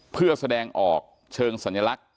เพื่อแสดงออกเชิงสัญลักษณ